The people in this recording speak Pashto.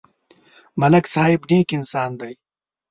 ملک صاحب نېک انسان دی.